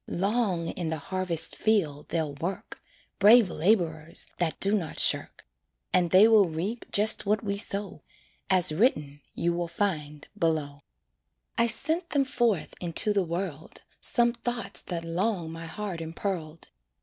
Long in the harvest field they'll work Brave laborers that do not shirk, And they will reap just what we sow, As written you will find below. I sent them forth into the world, Some thoughts that long my heart impearled.